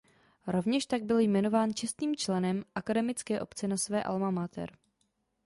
Rovněž tak byl jmenován čestným členem akademické obce na své alma mater.